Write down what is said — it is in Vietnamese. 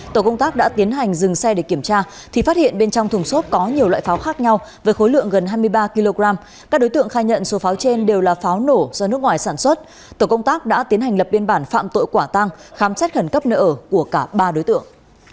tổ công tác đã tiến hành dừng xe để kiểm tra thì phát hiện bên trong thùng xốp có nhiều loại pháo khác nhau với khối lượng gần hai mươi ba kg các đối tượng khai nhận số pháo trên đều là pháo nổ do nước ngoài sản xuất tổ công tác đã tiến hành lập biên bản phạm tội quả tăng khám xét khẩn cấp nơi ở của cả ba đối tượng